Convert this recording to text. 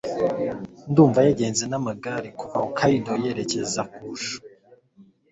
Ndumva yagenze n'amagare kuva Hokkaido yerekeza Kyushu